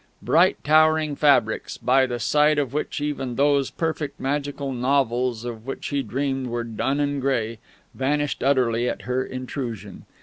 Bright towering fabrics, by the side of which even those perfect, magical novels of which he dreamed were dun and grey, vanished utterly at her intrusion.